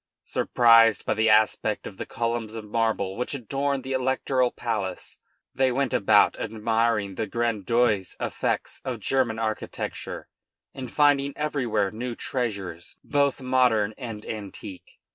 Surprised by the aspect of the columns of marble which adorn the Electoral Palace, they went about admiring the grandiose effects of German architecture, and finding everywhere new treasures both modern and antique.